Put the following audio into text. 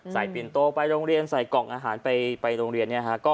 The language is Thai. ปินโตไปโรงเรียนใส่กล่องอาหารไปโรงเรียน